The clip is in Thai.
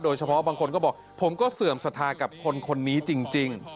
โดยเฉพาะบางคนก็บอกผมก็เสื่อมสถากับคนนี้จริง